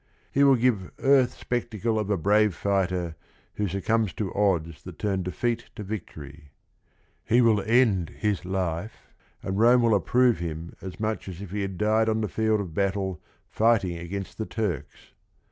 He will give "earth spectacle of a brave fighter" who succumbs to odds that turn defeat to victory." H« win tud hib life, and Rome will approve him as much as if he had died on the field of battle fighting against the Turks.